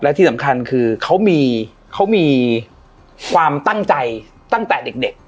และที่สำคัญคือเขามีความตั้งใจตั้งแต่เด็ก